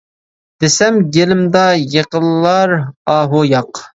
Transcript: دېسەم، گېلىمدا يىقىلار ئاھۇ ياق!